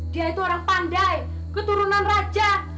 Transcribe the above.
dia itu orang pandai keturunan raja